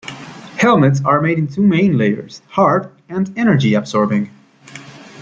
Helmets are made in two main layers: hard and energy-absorbing.